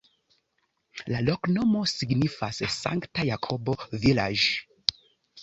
La loknomo signifas: Sankta-Jakobo-vilaĝ'.